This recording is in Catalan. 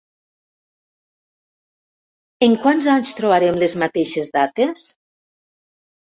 En quants anys trobarem les mateixes dates?